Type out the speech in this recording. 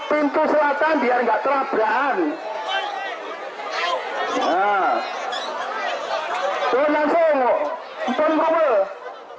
medali lewat pintu selatan biar nggak terlambraan